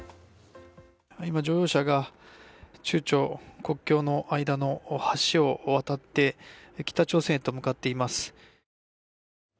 今、乗用車が中朝国境の間の橋を渡って北朝鮮へと向かっています。